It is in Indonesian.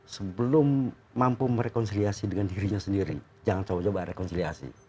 sebelum mampu merekonsiliasi dengan dirinya sendiri jangan coba coba rekonsiliasi